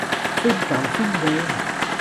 สิ้นกรรมสิ้นเวร